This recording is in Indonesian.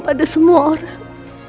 pada semua orang